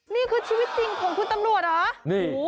นี่คือชีวิตจริงของคุณตำรวจเหรอ